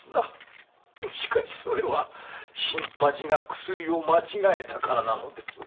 しかしそれは新八が薬を間違えたからなのです。